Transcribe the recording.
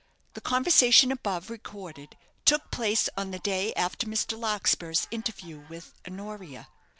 The conversation above recorded took place on the day after Mr. Larkspur's interview with Honoria.